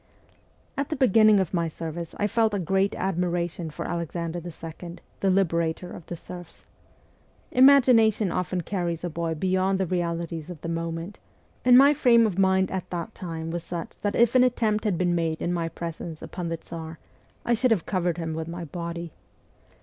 At the beginning of my service I felt a great admiration for Alexander II., the liberator of the serfs. Imagination often carries a boy beyond the realities of the moment, and my frame of mind at that time was such that if an attempt had been made in my presence upon the Tsar I should have covered him with my body.